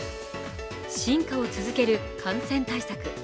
進化を続ける感染対策。